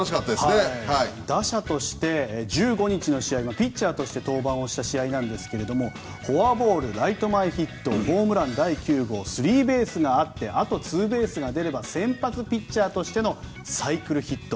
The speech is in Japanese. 打者として１５日の試合はピッチャーとして登板した試合なんですがフォアボール、ライト前ヒットホームラン第９号スリーベースがあってあとツーベースが出ればサイクルヒット。